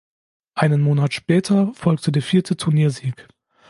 Einen Monat später folgte der vierte Turniersieg.